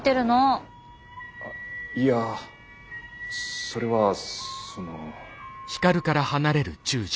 あいやそれはその。